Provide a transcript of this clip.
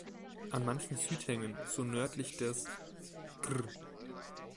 An manchen Südhängen, so nördlich des "Gr.